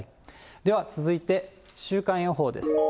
では、続いて週間予報です。